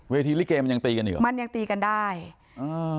ทีลิเกมมันยังตีกันอีกหรอมันยังตีกันได้อ่า